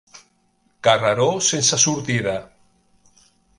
Carreró sense sortida.